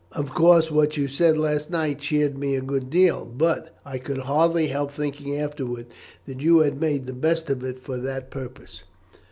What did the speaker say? Of course, what you said last night cheered me a good deal, but I could hardly help thinking afterwards that you had made the best of it for that purpose."